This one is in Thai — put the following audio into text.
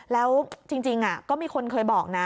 แล้วจริงก็มีคนเคยบอกนะ